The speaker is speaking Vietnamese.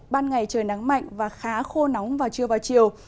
ban ngày trời nắng mạnh và khá khô nóng vào trưa và chiều